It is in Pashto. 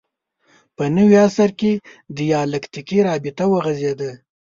په نوي عصر کې دیالکتیکي رابطه وغځېده